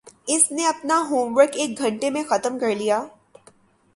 اس نے اپنا homework ایک گھنٹے میں ختم کر لیا